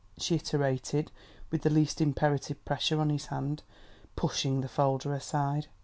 she iterated, with the least imperative pressure on his hand, pushing the folder aside.